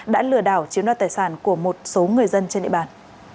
đã lừa đảo chiếm đoạt tài sản của một số người dân trên địa bàn